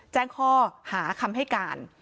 แจ้งข้อหาคำให้การ